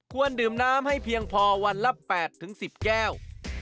ดื่มน้ำให้เพียงพอวันละ๘๑๐แก้ว